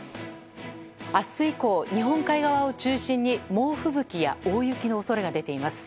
明日以降、日本海側を中心に猛吹雪や大雪の恐れが出ています。